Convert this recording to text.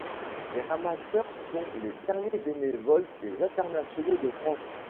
Les ramasseurs sont les derniers bénévoles des Internationaux de France.